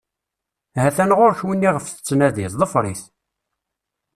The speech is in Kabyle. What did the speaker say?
Ha-t-an ɣer-k winna iɣef tettnadiḍ, ḍfer-it.